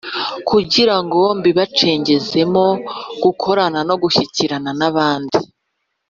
kugira ngo bibacengezemo gukorana no gushyikirana n’abandi.